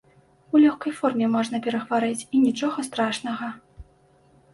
У лёгкай форме можна перахварэць і нічога страшнага.